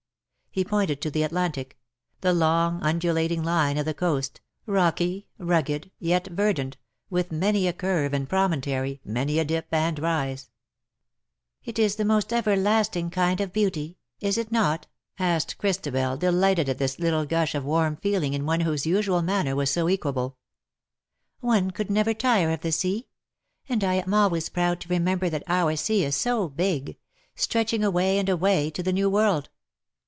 He pointed to the Atlantic : the long undulating line of the coast, rocky, rugged, yet verdant, with many a curve and promontory, many a dip and rise. ^^ It is the most everlasting kind of beaut}^, is it 80 "tintagel, halp in sea, and half on land." not?^^ asked Christabel, delighted at this little gush of warm feeling in one whose usual manner was so equable. ^^One could never tire of the sea. And I am always proud to remember that our sea is so big — stretching away and away to the New World.